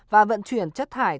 và vận chuyển sát thải